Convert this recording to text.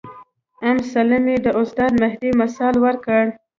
ام سلمې د استاد مهدي مثال ورکړ.